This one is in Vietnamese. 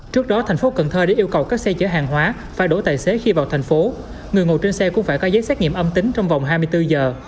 trước đó tp hcm đã yêu cầu các xe chở hàng hóa phải đổ tài xế khi vào thành phố người ngồi trên xe cũng phải có giấy xét nghiệm âm tính trong vòng hai mươi bốn giờ